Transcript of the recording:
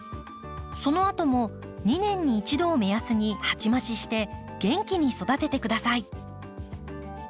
そのあとも２年に一度を目安に鉢増しして元気に育ててください。